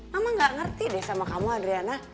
mama gak ngerti deh sama kamu adriana